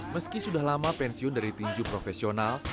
meski sudah lama pensiun dari tinju profesional